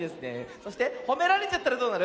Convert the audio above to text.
そしてほめられちゃったらどうなる？